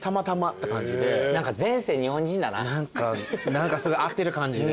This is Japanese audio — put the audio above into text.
何かすごい合ってる感じで。